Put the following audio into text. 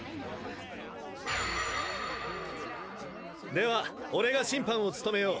では俺が審判を務めよう。